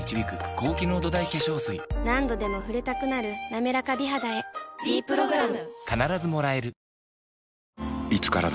何度でも触れたくなる「なめらか美肌」へ「ｄプログラム」